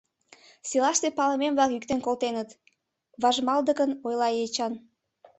Селаште палымем-влак йӱктен колтеныт, — важмалдыкын ойла Эчан.